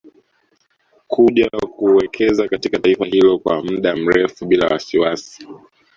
Kuja kuwekeza katika taifa hilo kwa mda mrefu bila wasiwasi